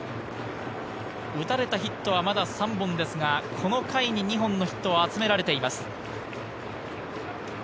打たれたヒットはまだ３本ですが、この回に２本のヒットを集められています。